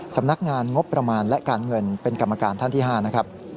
สำนักงานงบประมาณและการเงินเป็นกรรมการท่านที่๕นะครับ